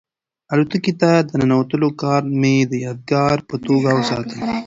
الوتکې ته د ننوتلو کارډ مې د یادګار په توګه وساته.